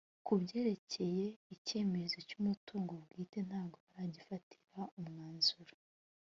ku byerekeye icyemezo cy’umutungo bwite ntago baragifatira umwanzuro